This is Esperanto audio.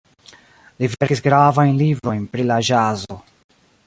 Li verkis gravajn librojn pri la ĵazo.